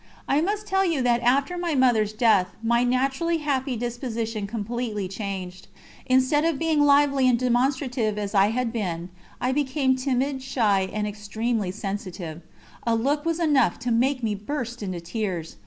I must tell you that after my Mother's death my naturally happy disposition completely changed. Instead of being lively and demonstrative as I had been, I became timid, shy, and extremely sensitive; a look was enough to make me burst into tears.